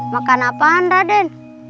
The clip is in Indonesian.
makan apaan raden